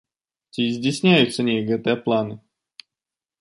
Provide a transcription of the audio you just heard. Ці здзяйсняюцца неяк гэтыя планы?